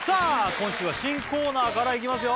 今週は新コーナーからいきますよ